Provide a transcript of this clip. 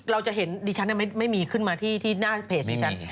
เราจะเห็นดิฉันไม่มีขึ้นมาที่หน้าเพจดิฉัน